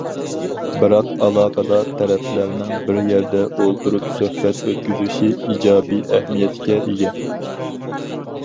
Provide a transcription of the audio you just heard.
بىراق ئالاقىدار تەرەپلەرنىڭ بىر يەردە ئۆلتۈرۈپ سۆھبەت ئۆتكۈزۈشى ئىجابىي ئەھمىيەتكە ئىگە.